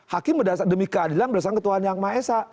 hakim demi keadilan berdasarkan ketuanya angma esa